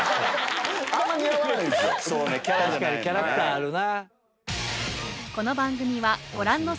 確かにキャラクターあるな。